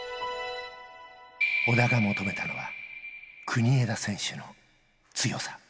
小田が求めたのは、国枝選手の強さ。